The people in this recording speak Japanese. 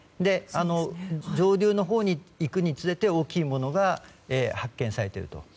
上流のほうに行くにつれ大きいものが発見されていると。